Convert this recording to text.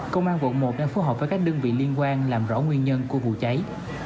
công an quận một đang phối hợp với các đơn vị liên quan làm rõ nguyên nhân của vụ cháy